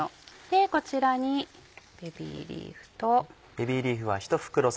でこちらにベビーリーフと。